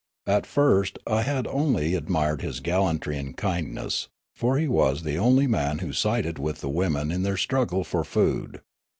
At first I had ad mired his gallantry and kindness, for he was the only 146 Sneekape i47 man who sided with the women in their struggle for food.